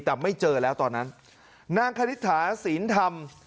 แต่ไม่เจอแล้วตอนนั้นนางคณิตถาศีลธรรม